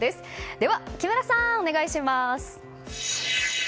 では木村さん、お願いします。